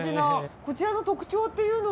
こちらの特徴というのは？